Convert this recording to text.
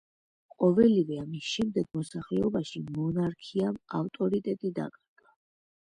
ყოველივე ამის შემდეგ, მოსახლეობაში მონარქიამ ავტორიტეტი დაკარგა.